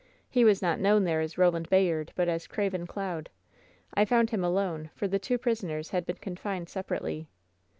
He was not known there as Koland Bayard, but as Craven Cloud. I found him alone, for the two prisoners had been con fined separately.